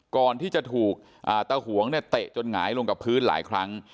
ก่อนที่จะถูกตาหวงเนี่ยเตะจนหงายลงกับพื้นหลายครั้ง